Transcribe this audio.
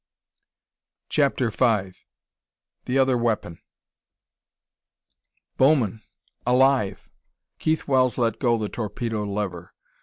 CHAPTER V The Other Weapon Bowman alive! Keith Wells let go the torpedo lever.